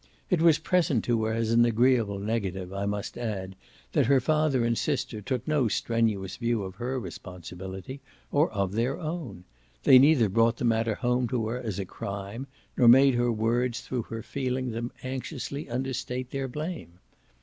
It was present to her as an agreeable negative, I must add, that her father and sister took no strenuous view of her responsibility or of their own: they neither brought the matter home to her as a crime nor made her worse through her feeling them anxiously understate their blame.